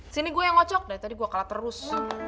sini gue yang ngocok dari tadi gue kalah terus